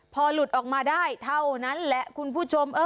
พอหลุดออกมาได้เท่านั้นแหละคุณผู้ชม